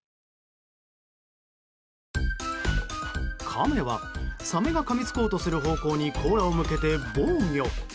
カメはサメがかみつこうとする方向に甲羅を向けて防御。